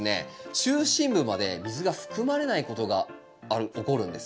中心部まで水が含まれないことが起こるんですね。